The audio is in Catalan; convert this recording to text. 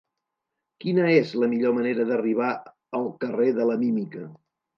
Quina és la millor manera d'arribar al carrer de la Mímica?